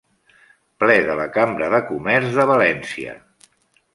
Ple de la Cambra de Comerç de València.